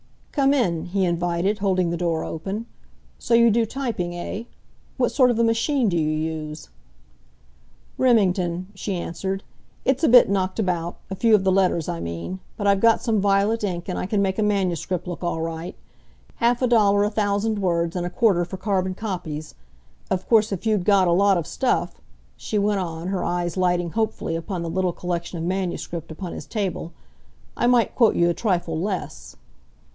"Come in," he invited, holding the door open. "So you do typing, eh? What sort of a machine do you use?" "Remington," she answered. "It's a bit knocked about a few of the letters, I mean but I've got some violet ink and I can make a manuscript look all right. Half a dollar a thousand words, and a quarter for carbon copies. Of course, if you'd got a lot of stuff," she went on, her eyes lighting hopefully upon the little collection of manuscript upon his table, "I might quote you a trifle less."